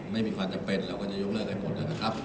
ไม่มีความจำเป็นเราก็จะยุ่งเลิกให้หมด